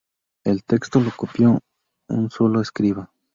El texto lo copió un solo escriba.